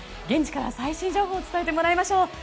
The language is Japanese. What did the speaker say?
現地から最新情報を伝えてもらいましょう。